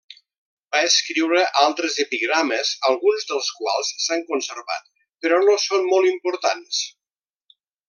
Va escriure altres epigrames alguns dels quals s'han conservat, però no són molt importants.